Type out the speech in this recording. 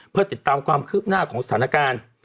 เพื่อติดตามความคืบหน้าของสถานการณ์